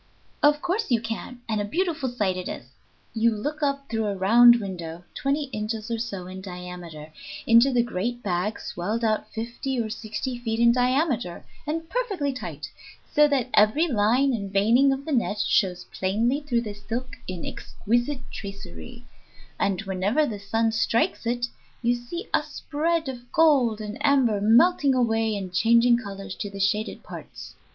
"Of course you can, and a beautiful sight it is. You look up through a round window, twenty inches or so in diameter, into the great bag, swelled out fifty or sixty feet in diameter, and perfectly tight, so that every line and veining of the net shows plainly through the silk in exquisite tracery, and wherever the sun strikes it you see a spread of gold and amber melting away in changing colors to the shaded parts.